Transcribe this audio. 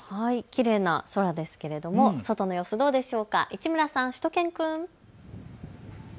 きれいな空ですけれども外の様子はどうでしょうか、市村さん、しゅと犬くん。